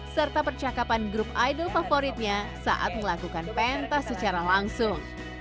serta percakapan grup idol favoritnya saat melakukan pentas secara langsung